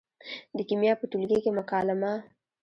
د کیمیا په ټولګي کې مکالمه